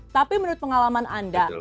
tapi menurut pengalaman anda